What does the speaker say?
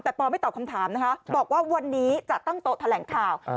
แต่ปอไม่ตอบคำถามนะคะบอกว่าวันนี้จะตั้งโต๊ะแถลงข่าว